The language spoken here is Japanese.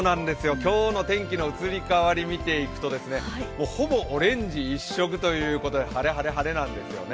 今日の天気の移り変わりを見ていくと、ほぼオレンジ一色ということで、晴れ、晴れ、晴れなんですよね。